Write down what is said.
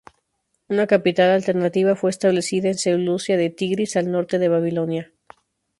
Una capital alternativa fue establecida en Seleucia del Tigris, al norte de Babilonia.